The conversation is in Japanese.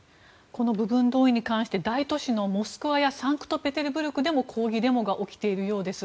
この部分動員に関して大都市のモスクワやサンクトペテルブルグでも抗議デモが起きているようです。